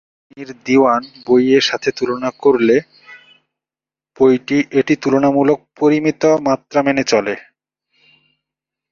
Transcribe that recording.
রুমির "দিওয়ান" বইয়ের সাথে তুলনা করলে এটি তুলনামূলকভাবে পরিমিত মাত্রা মেনে চলে।